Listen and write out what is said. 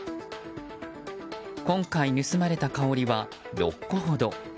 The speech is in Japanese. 今回盗まれた、かおりは６個ほど。